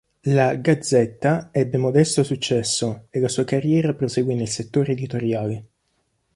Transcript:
La "Gazzetta" ebbe modesto successo e la sua carriera proseguì nel settore editoriale.